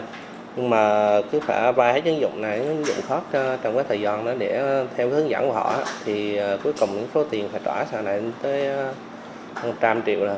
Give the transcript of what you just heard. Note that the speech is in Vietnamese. nhưng mà cứ phải vay hết ứng dụng này ứng dụng hot trong cái thời gian đó để theo hướng dẫn của ổng thì cuối cùng số tiền phải trả sau này đến một trăm linh triệu rồi